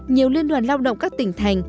nhiều liên đoàn lao động các tỉnh thành